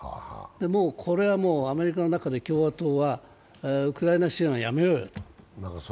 もうこれはアメリカの中で共和党はウクライナ支援はやめようよと。